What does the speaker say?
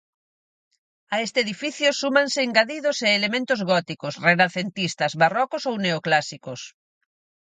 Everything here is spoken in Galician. A este edificio súmanse engadidos e elementos góticos, renacentistas, barrocos ou neoclásicos.